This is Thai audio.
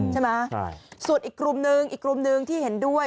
ใช่ไหมส่วนอีกกลุ่มหนึ่งอีกกลุ่มหนึ่งที่เห็นด้วย